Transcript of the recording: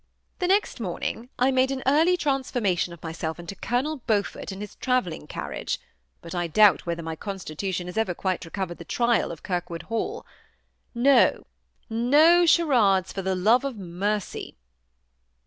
The next morning I made an early transformation of myself into Colonel Beaufort in his travelling carriage; but I doubt whether my con stitution has ever quite recovered the trial of Kirwood Hall. No, no charades, for the love of mercy."